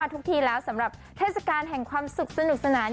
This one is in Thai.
ทุกทีแล้วสำหรับเทศกาลแห่งความสุขสนุกสนาน